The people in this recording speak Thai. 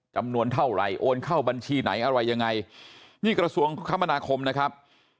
จำนวนเท่าไหร่โอนเข้าบัญชีไหนอะไรยังไงนี่กระทรวงคมนาคมนะครับ